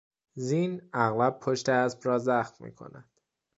زین اغلب پشت اسب را زخم میکند.